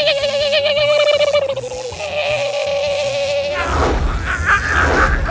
diaf voudanya menang nous